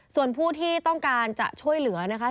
ส่วนผู้ที่ต้องการจะช่วยเหลือนะคะ